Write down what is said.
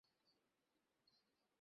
এদের পিটিয়ে চামড়া তুলে নিন, স্যার।